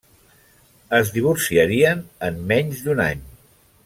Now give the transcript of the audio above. Es divorciarien en menys d'un any.